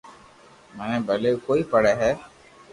مني پلي ڪوئي پڙي ھي